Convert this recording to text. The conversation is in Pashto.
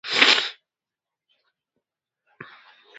ازادي راډیو د سوداګریز تړونونه په اړه د نړیوالو مرستو ارزونه کړې.